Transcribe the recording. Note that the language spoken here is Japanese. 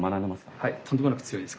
とんでもなく強いです